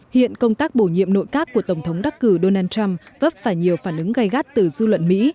hiện công tác bổ nhiệm nội các của tổng thống đắc cử donald trump vấp phải nhiều phản ứng gây gắt từ dư luận mỹ